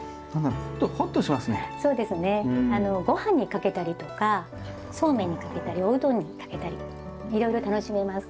ごはんにかけたりとかそうめんにかけたりおうどんにかけたりいろいろ楽しめます。